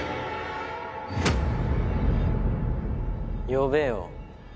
呼べよ。